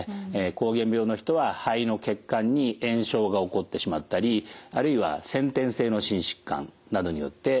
膠原病の人は肺の血管に炎症が起こってしまったりあるいは先天性の心疾患などによって起こることもあります。